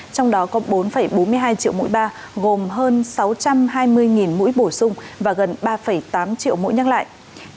trong đó có bốn bốn mươi hai triệu mũi ba gồm hơn sáu trăm hai mươi mũi bổ sung và gần ba tám triệu mũi nhắc lại